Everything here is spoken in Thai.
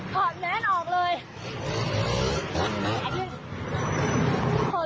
ขอดูรูปหน่อยดิมามามาน้ำน้ำน้ำน้ำ